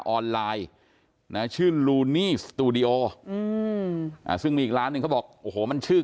ออนไลน์นะชื่อลูนี่สตูดิโออืมอ่าซึ่งมีอีกร้านหนึ่งเขาบอกโอ้โหมันชื่อ